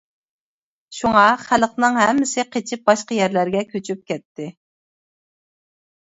شۇڭا، خەلقنىڭ ھەممىسى قېچىپ باشقا يەرلەرگە كۆچۈپ كەتتى.